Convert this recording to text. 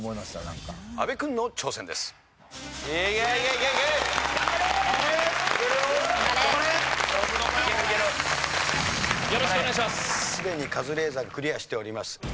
すでにカズレーザーがクリアしております。